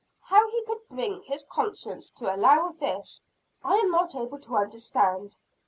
How he could bring his conscience to allow of this, I am not able to understand.